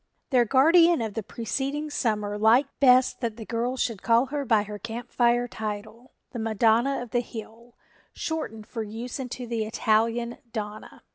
Their guardian of the preceding summer liked best that the girls should call her by her Camp Fire title, "The Madonna of the Hill," shortened for use into the Italian "Donna."